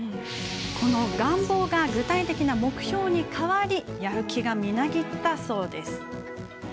願望が具体的な目標に変わりやる気がみなぎったそうです。